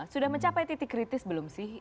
sudah mencapai titik kritis belum sih